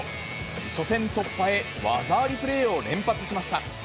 初戦突破へ、技ありプレーを連発しました。